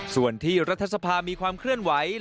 ส่วนที่รัฐสภามีความเคลื่อนไหว